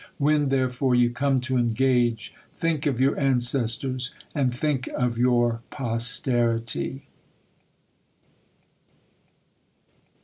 When, therefore, you come to engage, think of your ancestors, and think of your posterity.